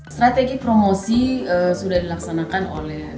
strategi promosi sudah dilaksanakan oleh